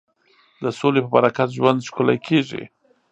د سولې په برکت ژوند ښکلی کېږي.